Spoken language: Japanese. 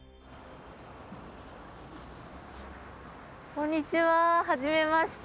こんにちははじめまして。